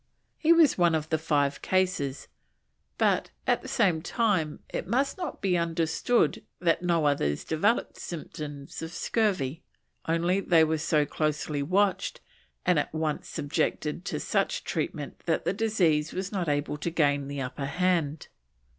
He was one of the five cases, but, at the same time, it must not be understood that no others developed symptoms of scurvy, only they were so closely watched and at once subjected to such treatment that the disease was not able to gain the upper hand.